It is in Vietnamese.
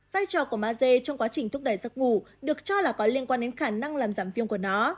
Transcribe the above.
vai trò của mage trong quá trình thúc đẩy giấc ngủ được cho là có liên quan đến khả năng làm giảm viên của nó